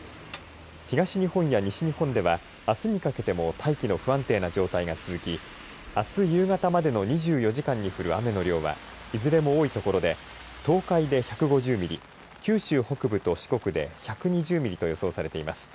東日本や西日本ではあすにかけても大気の不安定な状態が続きあす夕方までの２４時間に降る雨の量はいずれも多い所で東海で１５０ミリ九州北部と四国で１２０ミリと予想されています。